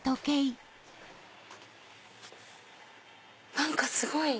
何かすごい！